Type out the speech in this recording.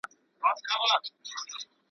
د ملالي دننګ چيغي .